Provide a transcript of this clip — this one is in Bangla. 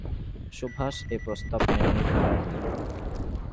সুভাষ এ প্রস্তাব মেনে নিতে পারেন নি।